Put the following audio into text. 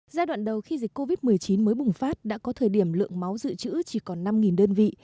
giai đoạn đầu khi dịch covid một mươi chín mới bùng phát đã có thời điểm lượng máu dự trữ chỉ còn năm đơn vị